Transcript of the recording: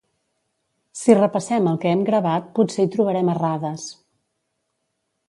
Si repassem el que hem gravat potser hi trobarem errades